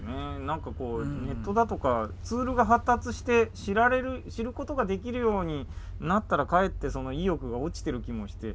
何かこうネットだとかツールが発達して知ることができるようになったらかえってその意欲が落ちてる気もして。